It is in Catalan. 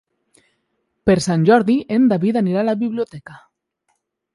Per Sant Jordi en David anirà a la biblioteca.